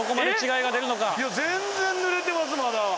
いや全然ぬれてますまだ。